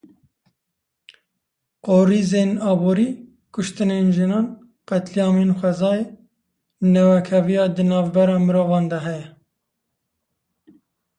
Qrîzên aborî, kuştinên jinan, qetlîamên xwezayê, newekheviya di navbera mirovan de heye.